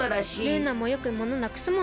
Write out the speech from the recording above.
ルーナもよくものなくすもんね。